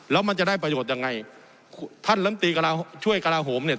แล้วมันจะได้ประโยชน์ยังไงท่านลำตีกระช่วยกระลาโหมเนี่ย